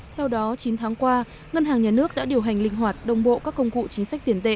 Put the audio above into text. theo đó chín tháng qua ngân hàng nhà nước đã điều hành linh hoạt đồng bộ các công cụ chính sách tiền tệ